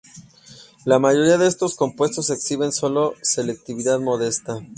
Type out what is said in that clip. La mayoría de estos compuestos exhiben solo selectividad modesta.